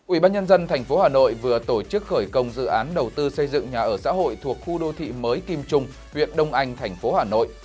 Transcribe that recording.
ubnd tp hà nội vừa tổ chức khởi công dự án đầu tư xây dựng nhà ở xã hội thuộc khu đô thị mới kim trung huyện đông anh tp hà nội